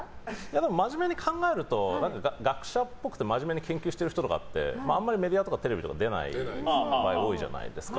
でも真面目に考えると学者っぽくて真面目に研究している人とかってあまりメディアとかテレビとか出ない場合が多いじゃないですか。